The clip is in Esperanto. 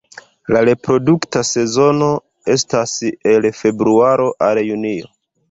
La reprodukta sezono estas el februaro al junio.